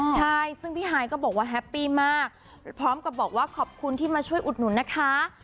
ใช่ซึ่งพี่ฮายก็บอกว่าแฮปปี้มากพร้อมกับบอกว่าขอบคุณที่มาช่วยอุดหนุนนะคะ